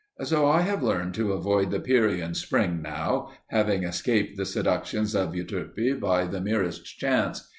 So I have learned to avoid the Pierian spring now, having escaped the seductions of Euterpe by the merest chance.